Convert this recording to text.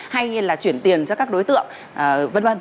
hay như là chuyển tiền cho các đối tượng v v